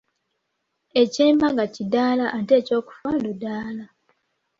Eky’embaga kidaala ate eky’okufa ludaala.